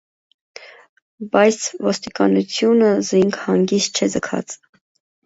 Բայց ոստիկանութիւնր զինք հանգիստ չէ ձգած։